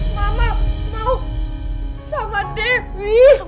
mama mau sama debbie